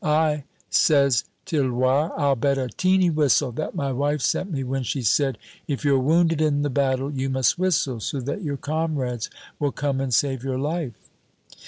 "I," says Tirloir, "I'll bet a teeny whistle that my wife sent me when she said, 'If you're wounded in the battle you must whistle, so that your comrades will come and save your life.'"